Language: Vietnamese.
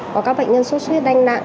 có các bệnh nhân suốt suốt huyết đanh nặng